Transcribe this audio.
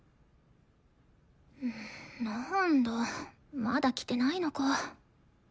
なんだまだ来てないのか。